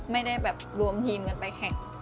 ไม่ได้แบบรวมทีมกันไปแข่ง